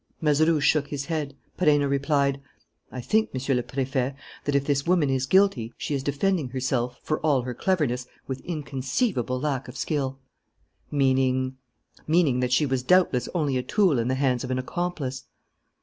Mazeroux shook his head. Perenna replied: "I think, Monsieur le Préfet, that, if this woman is guilty, she is defending herself, for all her cleverness, with inconceivable lack of skill." "Meaning ?" "Meaning that she was doubtless only a tool in the hands of an accomplice."